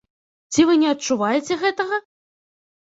Ці вы не адчуваеце гэтага?